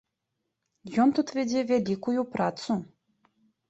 Ён тут вядзе вялікую працу.